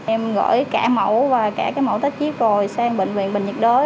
em gửi cả mẫu và cả cái mẫu tách chiếc rồi sang bệnh viện bệnh nhiệt đới